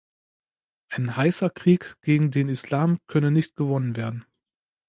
Ein „heißer Krieg“ gegen den Islam könne nicht gewonnen werden.